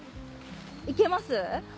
いけます？